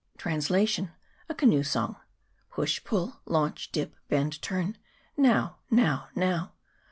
Translation.} A CANOE SONG. Pull, push, launch, dip, bend, turn, Now, now, now.